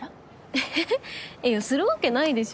えっいやするわけないでしょ。